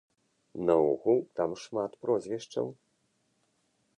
Наогул там шмат прозвішчаў.